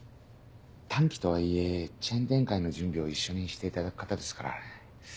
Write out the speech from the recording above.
短期とはいえチェーン展開の準備を一緒にしていただく方ですから。